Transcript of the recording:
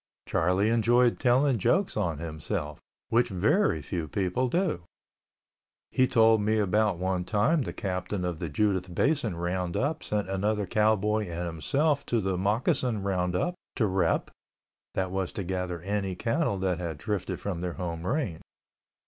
Charlie enjoyed telling jokes on himself, which very few people do. He told me about one time the Captain of the Judith Basin Roundup sent another cowboy and himself to the Moccasin Roundup to rep (that was to gather any cattle that had drifted from their home range).